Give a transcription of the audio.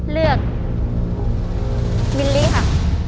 เลือกมิลลิค่ะ